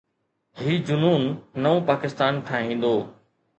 هي جنون نئون پاڪستان ٺاهيندو.